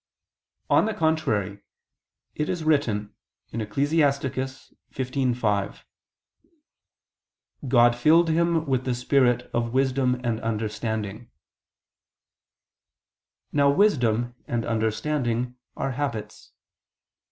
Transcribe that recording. On the contrary, it is written (Ecclus. 15:5): "God filled him with the spirit of wisdom and understanding." Now wisdom and understanding are habits.